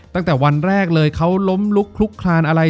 ตั้งแต่วันแรกเลยเขาล้มลุกคลุกคลานอะไร